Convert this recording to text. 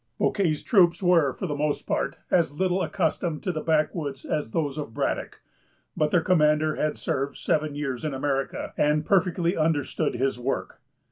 Bouquet's troops were, for the most part, as little accustomed to the backwoods as those of Braddock; but their commander had served seven years in America, and perfectly understood his work.